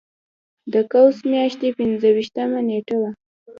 د قوس میاشتې پنځه ویشتمه نېټه وه.